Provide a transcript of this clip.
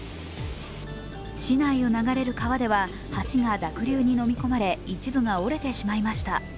市内を流れる川では橋が濁流に飲み込まれ一部が折れてしまいました。